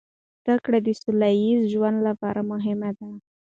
زده کړه د سوله ییز ژوند لپاره مهمه ده.